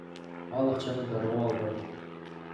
Ал акчаны дароо албайт.